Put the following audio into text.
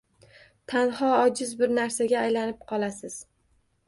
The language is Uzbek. Tanho, ojiz bir narsaga aylanib qolasiz.